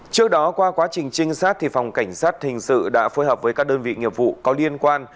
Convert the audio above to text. trước đó qua quá trình trinh sát phòng cảnh sát hình sự đã phối hợp với các đơn vị nghiệp vụ có liên quan